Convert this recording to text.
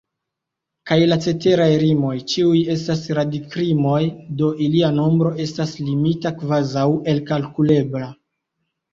Kaj la ceteraj rimoj ĉiuj estas radikrimoj, do ilia nombro estas limita, kvazaŭ elkalkulebla.